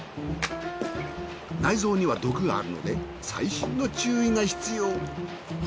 内臓には毒があるので細心の注意が必要。